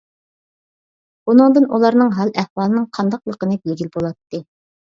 بۇنىڭدىن ئۇلارنىڭ ھال ئەھۋالىنىڭ قانداقلىقىنى بىلگىلى بولاتتى.